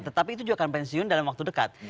tetapi itu juga akan pensiun dalam waktu dekat